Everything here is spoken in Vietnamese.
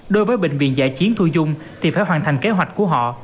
đối với bệnh viện giã chiến thu dung thì phải hoàn thành kế hoạch của họ